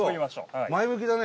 伊達：前向きだね。